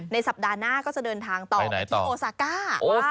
สัปดาห์หน้าก็จะเดินทางต่อไปที่โอซาก้า